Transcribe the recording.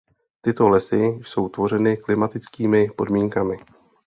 Tyto lesy jsou tvořeny klimatickými podmínkami.